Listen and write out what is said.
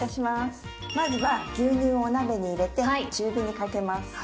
まずは牛乳をお鍋に入れて中火にかけます。